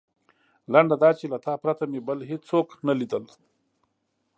لنډه دا چې له تا پرته مې بل هېڅوک نه لیدل.